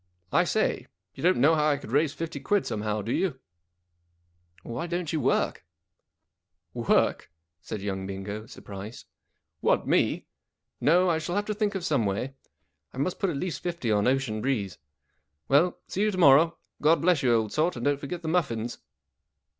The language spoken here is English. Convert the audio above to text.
I say, you don't know how I could raise fifty quid somehow, do you ?"" Why don't you work ?"" Work ?" said young Bingo, surprised. " What, me ? No, I shall have to think of some way. I must put at least fifty on Ocean. Breeze. Well, see you to morrow. God bless you, old sort, and don't forget the muffins."